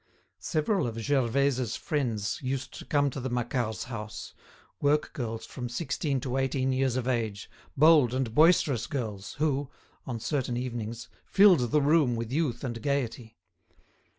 Several of Gervaise's friends used to come to the Macquarts' house, work girls from sixteen to eighteen years of age, bold and boisterous girls who, on certain evenings, filled the room with youth and gaiety.